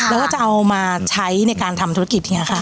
แล้วก็จะเอามาใช้ในการทำธุรกิจอย่างนี้ค่ะ